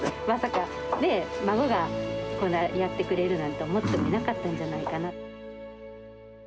まさかね、孫がこんな、やってくれるなんて思ってもみなかったんじゃないかな。